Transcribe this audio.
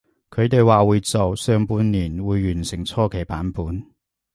佢哋話會做，上半年會完成初期版本